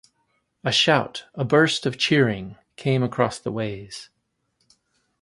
A shout, a burst of cheering, came across the ways.